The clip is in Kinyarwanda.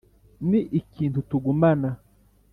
ni ikintu tugumana